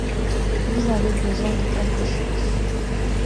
Vous avez besoin de quelque chose ?